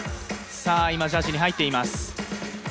今、ジャッジに入っています